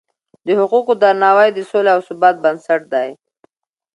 د حقونو درناوی د سولې او ثبات بنسټ دی.